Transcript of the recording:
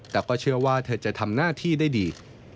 แต่ก็เชื่อว่าเธอจะทำหน้าที่ได้ดี